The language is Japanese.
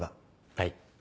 はい。